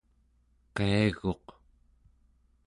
qiaguq